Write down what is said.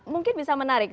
mungkin bisa menarik